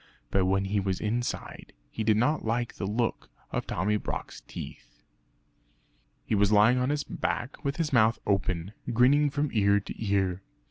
But when he was inside he did not like the look of Tommy Brock's teeth. He was lying on his back with his mouth open, grinning from ear to ear.